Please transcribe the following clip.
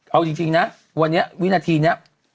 เอาจริงนะวันนี้วินาทีนี้